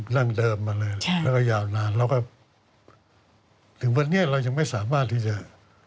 ดั้งเดิมมาเลยแล้วก็ยาวนานแล้วก็ถึงวันนี้เรายังไม่สามารถที่จะ